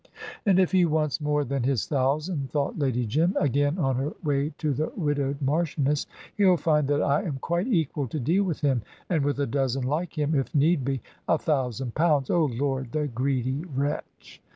"And if he wants more than his thousand," thought Lady Jim, again on her way to the widowed Marchioness, "he'll find that I am quite equal to deal with him, and with a dozen like him, if need be. A thousand pounds! Oh, Lord! The greedy wretch!"